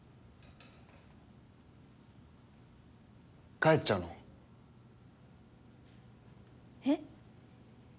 帰っちゃうの？え？